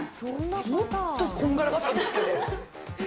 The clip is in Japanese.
もっとこんがらがったんですけど。